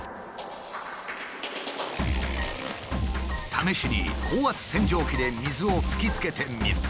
試しに高圧洗浄機で水を吹きつけてみる。